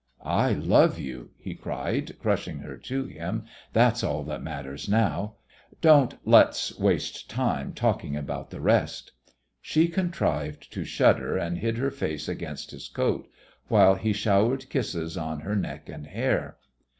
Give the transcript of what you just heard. "I love you," he cried, crushing her to him, "that's all that matters now. Don't let's waste time talking about the rest." She contrived to shudder, and hid her face against his coat, while he showered kisses on her neck and hair.